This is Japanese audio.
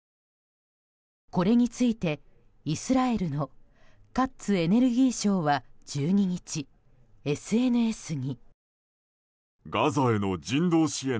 これについてイスラエルのカッツエネルギー相は１２日、ＳＮＳに。